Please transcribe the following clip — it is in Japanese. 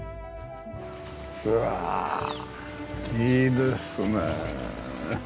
うわあいいですねえ。